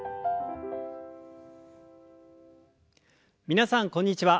皆さんこんにちは。